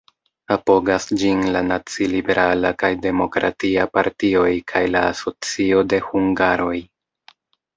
Apogas ĝin la Naciliberala kaj Demokratia Partioj kaj la Asocio de Hungaroj.